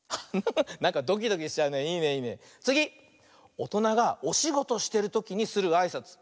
おとながおしごとしてるときにするあいさつ。